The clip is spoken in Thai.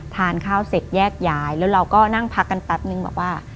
ทานข้าวเสร็จแยกย้ายแล้วเราก็นั่งพักกันแป๊บนึงบอกว่า